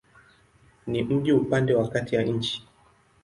Ni mji upande wa kati ya nchi.